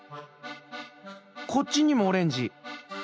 こっちにもオレンジ。